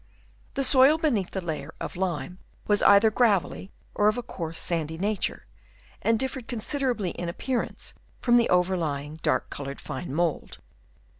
The soil beneath the layer of lime was either gravelly or of a coarse sandy nature, and differed considerably in appear ance from the overlying dark coloured fine mould.